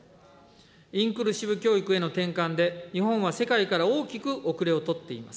インクルーシブ教育への転換で、日本は世界から大きく後れを取っています。